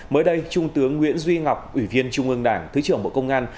mới đây trung tướng nguyễn duy ngọc ủy viên trung ương đảng thứ trưởng bộ công an